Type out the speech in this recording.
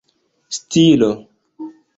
stilo